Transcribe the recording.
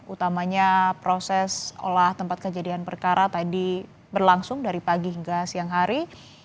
utamanya proses olah tempat kejadian perkara tadi berlangsung dari pagi hingga siang hari